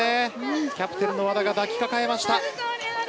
キャプテンの和田が抱き抱えました。